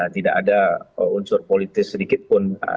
tidak ada unsur politis sedikit pun